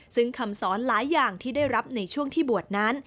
ซึ่งคำสอนหลายอย่างที่ได้รับในช่วงที่บวชนั้น